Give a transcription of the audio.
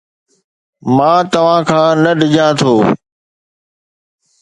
مان توهان کان نه ڊڄان ٿو